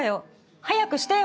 早くしてよ。